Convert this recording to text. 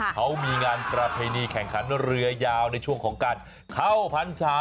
เขามีงานประเพณีแข่งขันเรือยาวในช่วงของการเข้าพรรษา